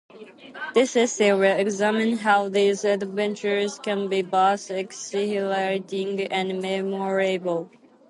This essay will examine how these adventures can be both exhilarating and memorable.